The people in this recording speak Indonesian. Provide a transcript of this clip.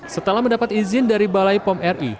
setelah mendapat izin dari balai pom ri